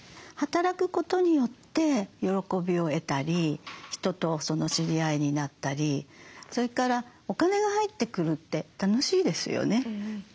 働くことによって喜びを得たり人と知り合いになったりそれからお金が入ってくるって楽しいですよね。